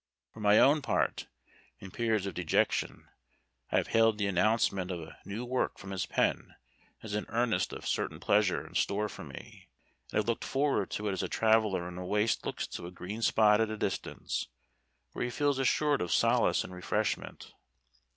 For my own part, in periods of dejection, I have hailed the announcement of a new work from his pen as an earnest of certain pleasure in store for me, and have looked forward to it as a traveller in a waste looks to a green spot at a distance, where he feels assured of solace and refreshment.